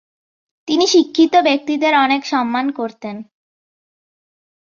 তিনি শিক্ষিত ব্যক্তিদের অনেক সম্মান করতেন।